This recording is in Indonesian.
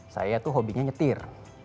saya tuh hobinya nyetir